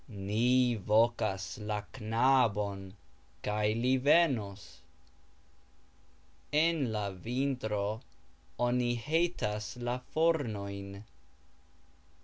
Ni vokas la knabon, kaj li venos. En la vintro oni hejtas la fornojn.